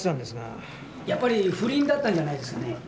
やっぱり不倫だったんじゃないですかね？